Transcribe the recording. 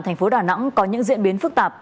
thành phố đà nẵng có những diễn biến phức tạp